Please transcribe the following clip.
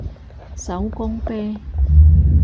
手工啤